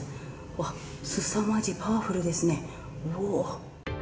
わっ、すさまじい、パワフルですね、おー。